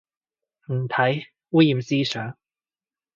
唔睇，污染思想